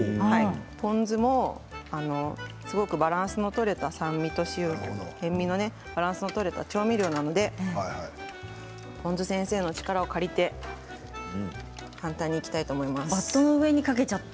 ポン酢もすごくバランスのとれた酸味と塩みの調味料なのでポン酢先生の力を借りて簡単に、いきたいと思います。